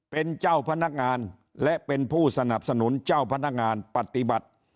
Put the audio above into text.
เป็นเจ้าพนักงานและเป็นผู้สนับสนุนเจ้าพนักงานปฏิบัติ